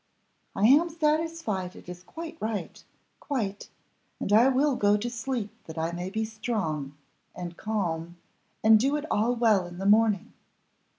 I am satisfied it is quite right, quite, and I will go to sleep that I may be strong, and calm, and do it all well in the morning.